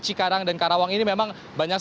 cikarang dan karawang ini memang banyak